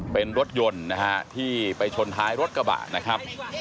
เป็นรถยนต์นะฮะที่ไปชนท้ายรถกระบะนะครับ